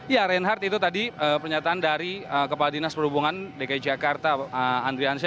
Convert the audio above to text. ya reinhardt itu tadi pernyataan dari kepala dinas perhubungan dki jakarta andriansya